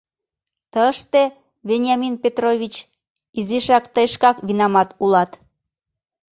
Тыште, Вениамин Петрович, изишак тый шкак винамат улат...